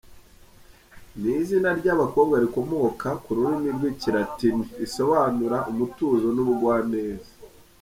Ni izina ry’abakobwa rikomoka ku rurimi rw’ikilatini risobanura “umutuzo n’ubugwabeza”.